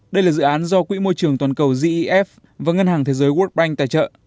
đây là dự án do quỹ môi trường toàn cầu gef và ngân hàng thế giới world bank tài trợ